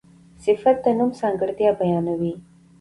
صفت د نوم ځانګړتیا بیانوي.